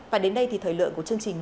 và đến đây thì thời lượng của chương trình